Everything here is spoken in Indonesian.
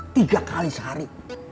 tiga kali sehari